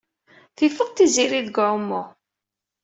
Tifeḍ Tiziri deg uɛumu.